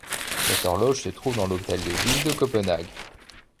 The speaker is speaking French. Cette horloge se trouve dans l'hôtel de ville de Copenhague.